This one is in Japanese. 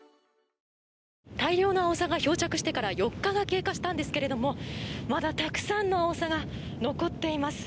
大量のアオサが漂着してから４日が経過したんですけどもまだたくさんのアオサが残っています。